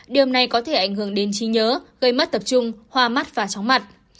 đêm nay có thể ảnh hưởng đến trí nhớ gây mất tập trung hoa mắt và chóng mặt